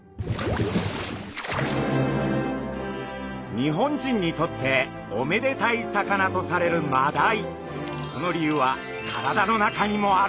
日本人にとっておめでたい魚とされるマダイ。